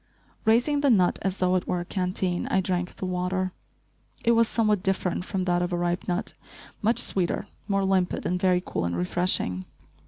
Raising the nut as though it were a canteen, I drank the water. It was somewhat different from that of a ripe nut, much sweeter, more limpid and very cool and refreshing.